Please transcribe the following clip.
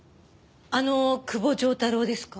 あの久保丈太郎ですか？